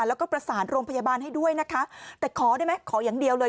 แล้วก็ประสานโรงพยาบาลให้ด้วยนะคะแต่ขอได้ไหมขออย่างเดียวเลย